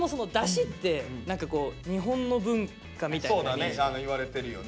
そうだねいわれてるよね。